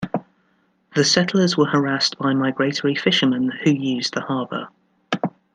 The settlers were harassed by migratory fishermen who used the harbour.